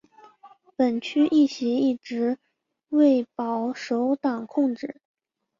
本区议席一直为保守党控制。